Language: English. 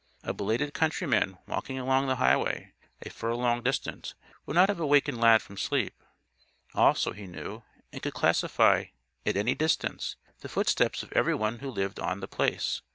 A belated countryman walking along the highway, a furlong distant, would not have awakened Lad from sleep. Also, he knew and could classify, at any distance, the footsteps of everyone who lived on The Place.